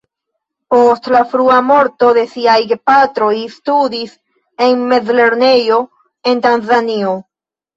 Post la frua morto de siaj gepatroj, studis en mezlernejo en Tanzanio.